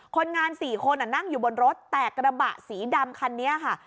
คนงาน๔คนนั่งอยู่บนรถแต่กระบะสีดำคันนี้ค่ะ